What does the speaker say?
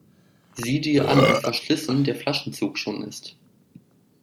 Sieh dir an, wie verschlissen der Flaschenzug schon ist.